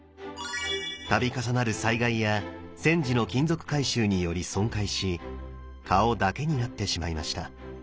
度重なる災害や戦時の金属回収により損壊し顔だけになってしまいました